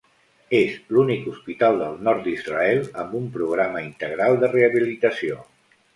És l'únic hospital del nord d'Israel amb un programa integral de rehabilitació.